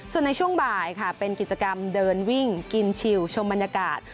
ส่วนในช่วงบ่ายค่ะเป็นกิจกรรมเดินวิ่งกินชิวชมบรรยากาศ